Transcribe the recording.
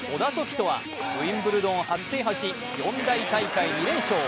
人はウィンブルドンを初制覇し四大大会２連勝。